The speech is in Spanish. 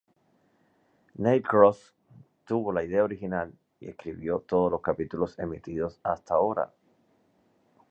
Neil Cross tuvo la idea original y escribió todos los capítulos emitidos hasta ahora.